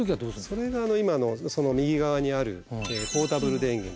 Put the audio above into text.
それが今その右側にあるポータブル電源。